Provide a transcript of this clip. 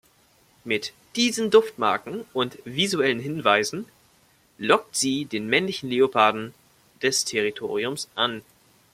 Mit diesen Duftmarken und visuellen Hinweisen lockt sie den männlichen Leoparden des Territoriums an.